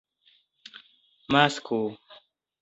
masko